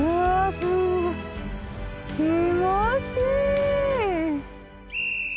気持ちいい。